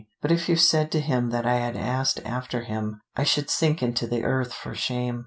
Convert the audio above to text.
But if you said to him that I had asked after him, I should sink into the earth for shame.